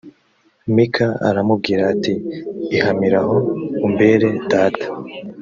mika aramubwira ati ihamiraho umbere data